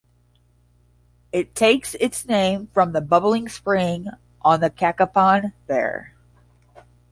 It takes its name from the Bubbling Spring on the Cacapon there.